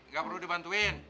gak perlu dibantuin